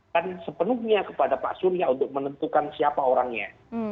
kan sepenuhnya kepada pak surya untuk menentukan siapa orangnya